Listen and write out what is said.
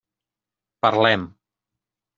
Parlem.